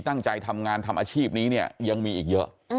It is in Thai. ตั้งใจทำงานทำอาชีพนี้เนี่ยยังมีอีกเยอะ